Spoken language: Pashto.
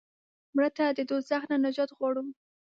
مړه ته د دوزخ نه نجات غواړو